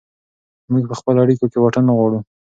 موږ په خپلو اړیکو کې واټن نه غواړو.